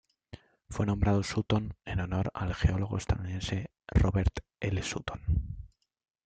Fue nombrado Sutton en honor al geólogo estadounidense Robert L. Sutton.